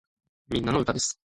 みんなの歌です